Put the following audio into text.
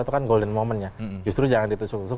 itu kan golden momentnya justru jangan ditusuk tusuk